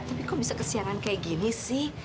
tapi kok bisa kesiangan kayak gini sih